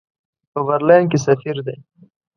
په برلین کې سفیر دی.